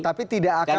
tapi tidak akan